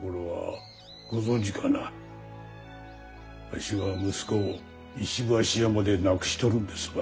わしは息子を石橋山で亡くしとるんですわ。